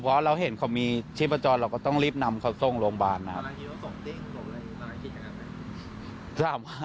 แต่ถ้าเราเห็นเขามีชิพจรเราก็ต้องรีบนำเขาส่งโรงบาล